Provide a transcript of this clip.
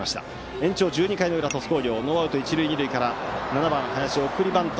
延長１２回の裏、鳥栖工業はノーアウト、一塁二塁から７番、林、送りバント。